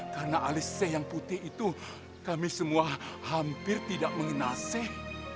karena alis seh yang putih itu kami semua hampir tidak mengenal seh